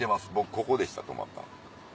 ここでした泊まったの。